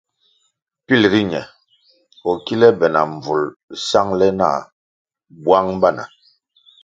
Pil riñe o kile be na mbvulʼ sangʼle nah bwang bana.